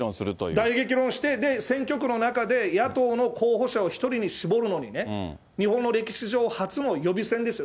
大激論して、選挙区の中で、野党の候補者を１人に絞るのにね、日本の歴史上、初の予備選ですよ。